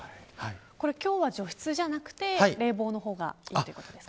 今日は除湿じゃなくて、冷房の方がいいということですか。